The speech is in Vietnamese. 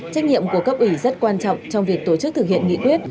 trách nhiệm của cấp ủy rất quan trọng trong việc tổ chức thực hiện nghị quyết